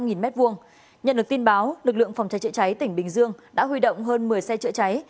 nhận được tin báo lực lượng phòng cháy chữa cháy tỉnh bình dương đã huy động hơn một mươi xe chữa cháy